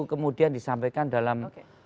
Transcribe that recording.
kemudian disampaikan dalam